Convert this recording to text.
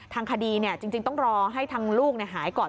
ทางคดีจริงต้องรอให้ทางลูกหายก่อน